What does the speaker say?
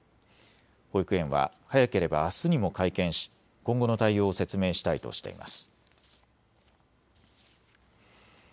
保育園は早ければあすにも会見し今後の対応を説明したいとしています。